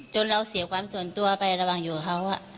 เราเสียความส่วนตัวไประหว่างอยู่กับเขา